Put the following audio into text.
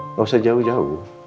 nggak usah jauh jauh